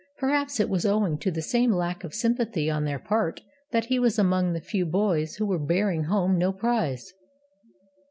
Perhaps it was owing to the same lack of sympathy on their part that he was among the few boys who were bearing home no prize.